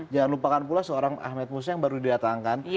jangan lupakan pula seorang ahmed musya yang baru didatangkan